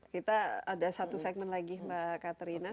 kita ada satu segmen lagi mbak katrina